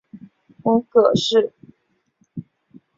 母葛氏。